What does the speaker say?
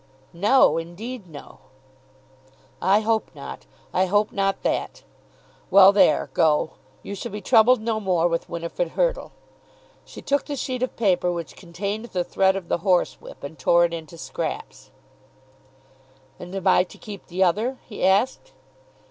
"No; indeed no." "I hope not; I hope not that. Well, there; go. You shall be troubled no more with Winifrid Hurtle." She took the sheet of paper which contained the threat of the horsewhip and tore it into scraps. "And am I to keep the other?" he asked.